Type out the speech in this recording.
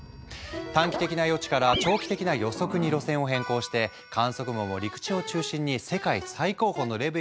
「短期的な予知」から「長期的な予測」に路線を変更して観測網も陸地を中心に世界最高峰のレベルにまで張り巡らせていったんだ。